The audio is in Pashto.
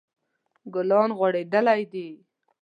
ګلان غوړیدلی دي